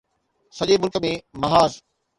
سڄي ملڪ ۾ محاذ